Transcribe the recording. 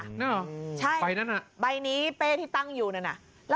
ใช่ใบนี้เปรรย์ที่ตั้งอยู่นะ